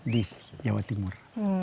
di jawa timur